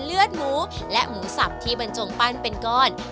เลือดหมูและหมูสับที่บรรจงปั้นเป็นก้อน